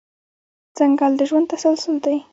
ځنګل د ژوند تسلسل دی.